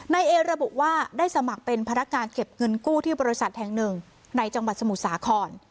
นายเอระบุว่าได้สมัครเป็นพนักงานเก็บเงินกู้ที่บริษัทแห่งหนึ่งในจังหวัดสมุทรสาคร